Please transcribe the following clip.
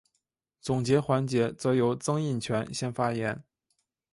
总结环节则由曾荫权先发言。